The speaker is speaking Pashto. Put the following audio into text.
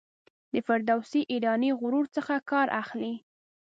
د فردوسي ایرانی غرور څخه کار اخلي.